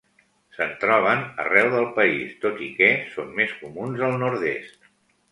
Se'n troben arreu del país tot i que són més comuns al nord-est.